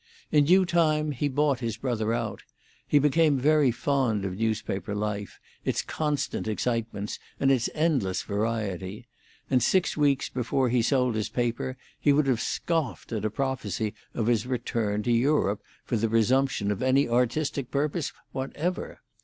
In due time he bought his brother out; he became very fond of newspaper life, its constant excitements and its endless variety; and six weeks before he sold his paper he would have scoffed at a prophecy of his return to Europe for the resumption of any artistic purpose whatever.